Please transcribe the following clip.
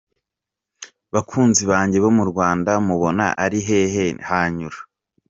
Bakunzi banjye bo mu Rwanda mubona ari he hanyura?".